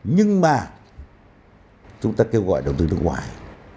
nhưng mà chúng ta kêu gọi đầu tư nước ngoài